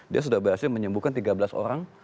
dia sudah berhasil menyembuhkan tiga belas orang